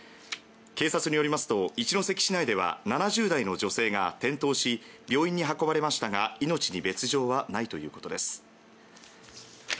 警察によりますと一関市内では７０代の女性が転倒し病院に運ばれましたが命に別条はないということです。